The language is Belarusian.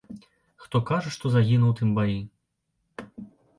Хто кажа, што загінуў у тым баі.